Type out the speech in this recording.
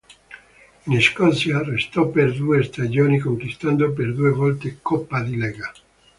In Scozia restò per due stagioni conquistando per due volte Coppa di Lega.